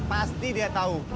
pasti dia tau